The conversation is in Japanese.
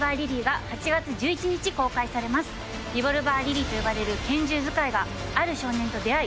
リボルバー・リリーと呼ばれる拳銃遣いがある少年と出会い